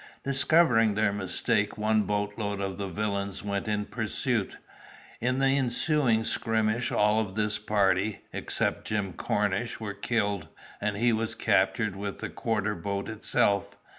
Discovering their mistake one boatload of the villains went in pursuit. In the ensuing skirmish all of this party, except Jim Cornish, were killed, and he was captured with the quarter boat itself.